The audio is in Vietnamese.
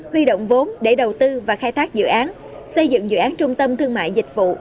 huy động vốn để đầu tư và khai thác dự án xây dựng dự án trung tâm thương mại dịch vụ